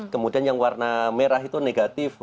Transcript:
kemudian yang warna merah itu negatif